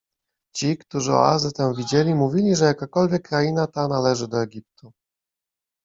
Ci, którzy oazę tę widzieli, mówili, że jakakolwiek kraina ta należy do Egiptu.